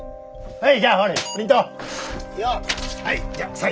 はい。